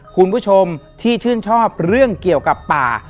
คุณผู้ชมที่ชื่นชอบเรื่องเกี่ยวกับป่า